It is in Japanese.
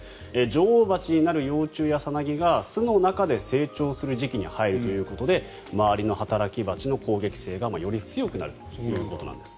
女王蜂になる幼虫やさなぎが巣の中で成長する時期に入るということで周りの働き蜂の攻撃性がより強くなるということです。